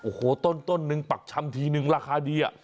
โอ้โหต้นนึงปักชำทีนึงราคาดี